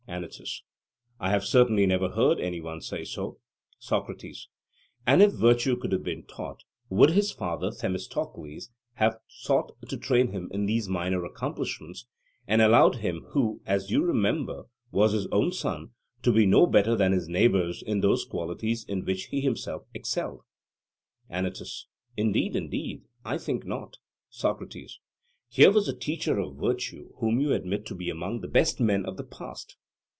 ANYTUS: I have certainly never heard any one say so. SOCRATES: And if virtue could have been taught, would his father Themistocles have sought to train him in these minor accomplishments, and allowed him who, as you must remember, was his own son, to be no better than his neighbours in those qualities in which he himself excelled? ANYTUS: Indeed, indeed, I think not. SOCRATES: Here was a teacher of virtue whom you admit to be among the best men of the past.